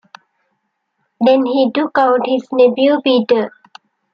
Then he took out his nephew Peter.